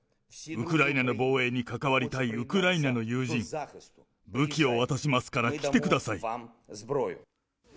ウクライナの防衛に関わりたいウクライナの友人、武器を渡しますから、来てください。